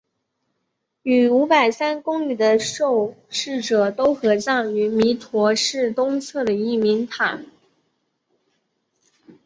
与五百三公祠的受祀者都合葬于弥陀寺东侧的义民塔。